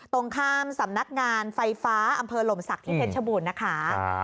ตรงข้ามสำนักงานไฟฟ้าอำเภอหลมศักดิ์ที่เพชรชบูรณ์นะคะ